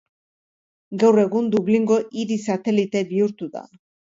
Gaur egun Dublingo hiri satelite bihurtu da.